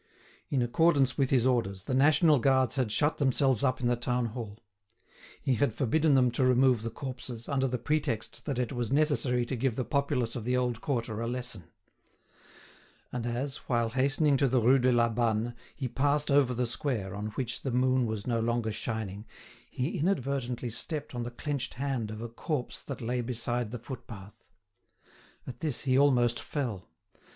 In accordance with his orders, the national guards had shut themselves up in the town hall. He had forbidden them to remove the corpses, under the pretext that it was necessary to give the populace of the old quarter a lesson. And as, while hastening to the Rue de la Banne, he passed over the square, on which the moon was no longer shining, he inadvertently stepped on the clenched hand of a corpse that lay beside the footpath. At this he almost fell.